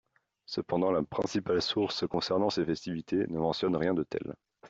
Cependant, la principale source concernant ces festivités ne mentionne rien de tel.